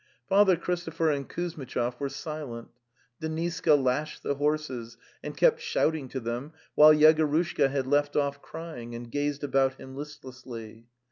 Father Christopher and Kuzmitchov were silent. Deniska lashed the horses and kept shouting to them, while Yegorushka had left off crying, and gazed about him listlessly.